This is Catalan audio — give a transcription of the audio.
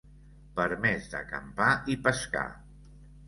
Permès d'acampar i pescar.